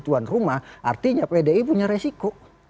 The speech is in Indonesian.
tuan rumah artinya pdi punya resiko